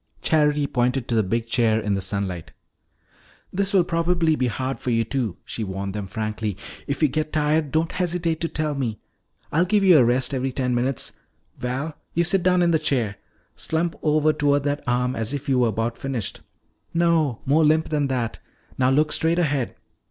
Charity pointed to the big chair in the sunlight. "This will probably be hard for you two," she warned them frankly. "If you get tired, don't hesitate to tell me. I'll give you a rest every ten minutes. Val, you sit down in the chair. Slump over toward that arm as if you were about finished. No, more limp than that. Now look straight ahead.